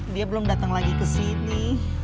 dia belum datang lagi ke sini